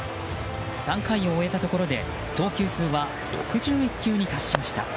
３回を終えたところで投球数は６１球に達しました。